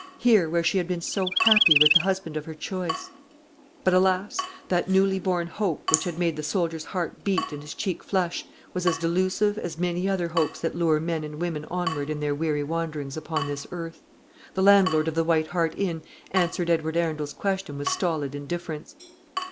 here, where she had been so happy with the husband of her choice? But, alas! that newly born hope, which had made the soldier's heart beat and his cheek flush, was as delusive as many other hopes that lure men and women onward in their weary wanderings upon this earth. The landlord of the White Hart Inn answered Edward Arundel's question with stolid indifference.